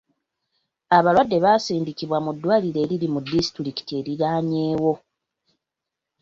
Abalwadde basindikibwa mu ddwaliro eriri mu disitulikiti eriraanyeewo.